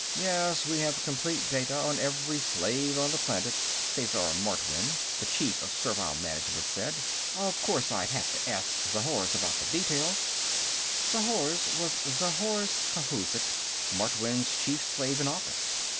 "Yes, we have complete data on every slave on the planet," Sesar Martwynn, the Chief of Servile Management, said. "Of course, I'd have to ask Zhorzh about the details...." Zhorzh was Zhorzh Khouzhik, Martwynn's chief slave in office.